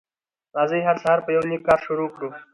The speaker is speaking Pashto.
راځی هر سهار په یو نیک کار شروع کړو